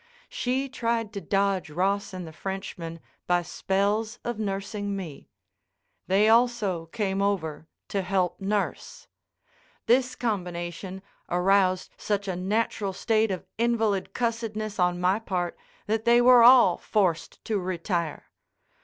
She tried to dodge Ross and the Frenchman by spells of nursing me. They also came over to help nurse. This combination aroused such a natural state of invalid cussedness on my part that they were all forced to retire.